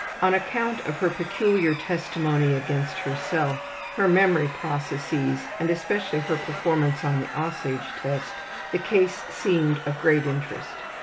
On account of her peculiar testimony against herself, her memory processes and especially her performance on the ``Aussage'' test the case seemed of great interest.